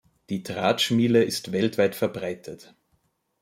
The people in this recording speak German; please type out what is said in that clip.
Die Draht-Schmiele ist weltweit verbreitet.